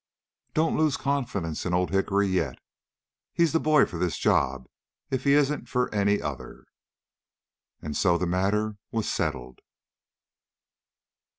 Don't lose confidence in old Hickory yet. He's the boy for this job if he isn't for any other." And so the matter was settled.